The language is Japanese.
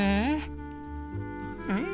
うん！